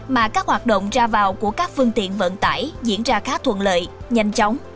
mà các hoạt động ra vào của các phương tiện vận tải diễn ra khá thuận lợi nhanh chóng